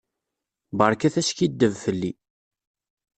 Beṛkat askiddeb fell-i.